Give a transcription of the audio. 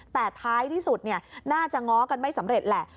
แต่ท้ายที่สุดน่าจะง้อกันไม่สำเร็จแหละ